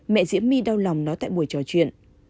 mẹ diễm my đau lòng nói tại buổi trò chuyện